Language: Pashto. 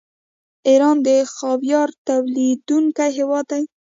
ایران د خاویار تولیدونکی هیواد دی.